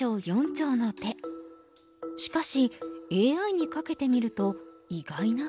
しかしＡＩにかけてみると意外な結果が。